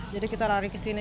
jadi kita lari kesini